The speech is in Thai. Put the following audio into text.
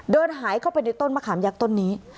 เดินหายเข้าไปในต้นมะขามยักษ์ต้นนี้